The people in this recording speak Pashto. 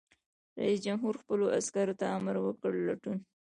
رئیس جمهور خپلو عسکرو ته امر وکړ؛ لټون!